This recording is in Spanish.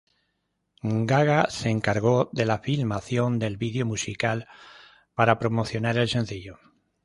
Gaga se encargó de la filmación del vídeo musical para promocionar el sencillo.